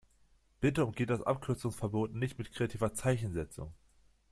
Bitte umgeht das Abkürzungsverbot nicht mit kreativer Zeichensetzung!